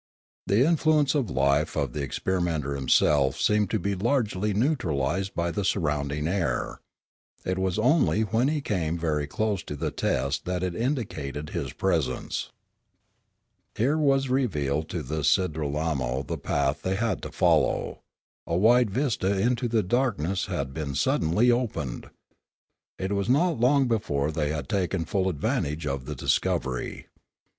The influence of the life of the ex perimenter himself seemed to be largely neutralised by the surrounding air; it was only when he came very close to the test that it indicated his presence. Here was revealed to the Sidralmo the path they had to follow; a wide vista into the darkness had been sud denly opened. It was not long before they had taken full advantage of the discovery.